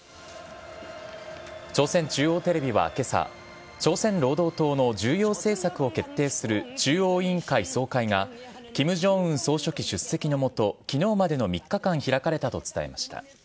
朝鮮中央テレビはけさ、朝鮮労働党の重要政策を決定する中央委員会総会が、キム・ジョンウン総書記出席のもと、きのうまでの３日間開かれたと伝えました。